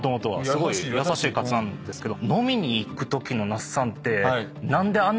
優しい方なんですけど。